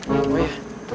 bukan rumah ya